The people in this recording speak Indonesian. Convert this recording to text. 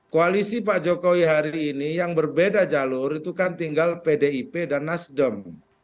koalisi pak jokowi hari ini yang berbeda jalur itu kan tinggal pdip dan nasdem